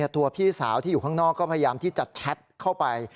ตัวพี่สาวที่อยู่ข้างนอกก็พยายามที่จะแชทเข้าไป